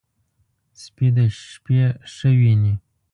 سپي د شپې ښه ویني.